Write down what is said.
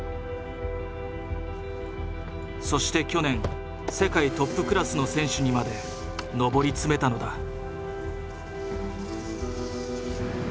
そして去年世界トップクラスの選手にまで上り詰めたのだ。